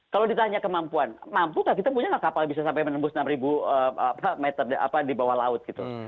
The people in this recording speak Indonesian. kalau ditanya kemampuan mampukah kita punya nggak kapal bisa sampai menembus enam ribu meter di bawah laut gitu